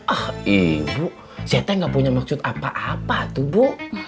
ah ibu cete gak punya maksud apa apa tuh bu